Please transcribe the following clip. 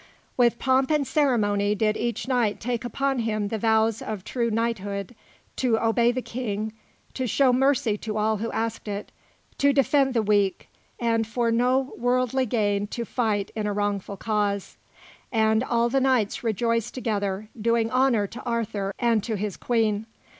With pomp and ceremony did each knight take upon him the vows of true knighthood: to obey the King; to show mercy to all who asked it; to defend the weak; and for no worldly gain to fight in a wrongful cause: and all the knights rejoiced together, doing honour to Arthur and to his Queen.